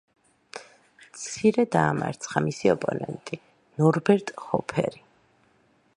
მცირე დაამარცხა მისი ოპონენტი ნორბერტ ჰოფერი.